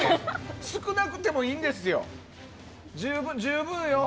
少なくてもいいんですよ、十分。